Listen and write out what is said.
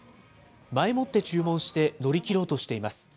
前もって注文して乗り切ろうとしています。